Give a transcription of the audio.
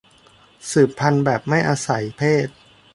สืบพันธุ์แบบไม่อาศัยเพศ